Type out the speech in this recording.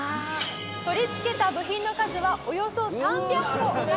取り付けた部品の数はおよそ３００個なのですが。